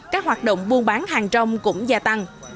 các hoạt động buôn bán hàng rong cũng gia tăng